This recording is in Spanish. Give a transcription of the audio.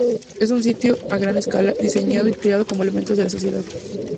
Es un sitio a gran escala, diseñado y creado como elemento de la sociedad.